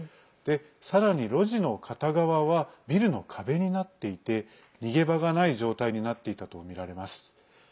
さらに路地の片側はビルの壁になっていて逃げ場がない状態になっていたとみられます。